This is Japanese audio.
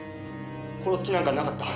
殺す気なんかなかった」